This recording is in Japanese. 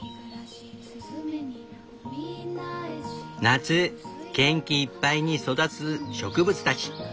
夏元気いっぱいに育つ植物たち。